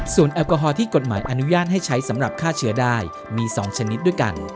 แอลกอฮอลที่กฎหมายอนุญาตให้ใช้สำหรับฆ่าเชื้อได้มี๒ชนิดด้วยกัน